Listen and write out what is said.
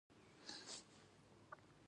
هغه د لاره پر څنډه ساکت ولاړ او فکر وکړ.